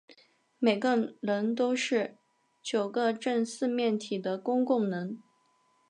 每个棱都是九个正四面体的公共棱。